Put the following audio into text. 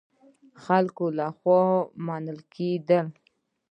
خلکو له خوا منل کېږي.